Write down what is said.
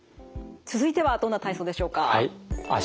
続いてはどんな体操でしょうか。